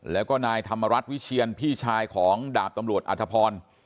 แล้วก็นายธรรมรัฐวิเชียนพี่ชายของดาบตำรวจอธพร